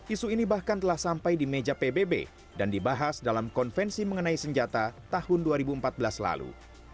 isu ini bahkan telah sampai di meja pbb dan dibahas dalam konvensi mengenai senjata tahun dua ribu empat belas lalu